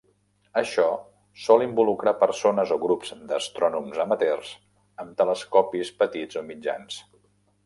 Això sol involucrar persones o grups d'astrònoms amateurs amb telescopis petits o mitjans.